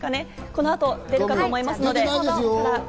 この後出るかと思いますので。